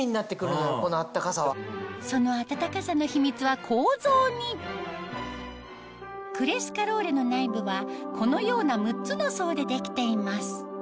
その暖かさの秘密は構造にクレスカローレの内部はこのような６つの層で出来ています